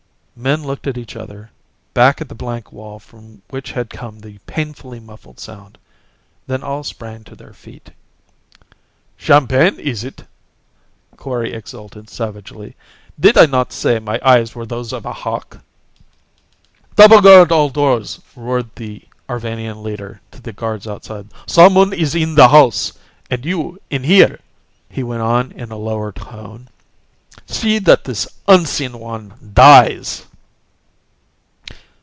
Men looked at each other, and back at the blank wall from which had come the painfully muffled sound. Then all sprang to their feet. "Champagne, is it!" Kori exulted savagely. "Did I not say my eyes were those of a hawk?" "Double guard all doors!" roared the Arvanian leader, to the guards outside. "Someone is in the house! And you in here," he went on in a lower tone, "see that this unseen one dies!"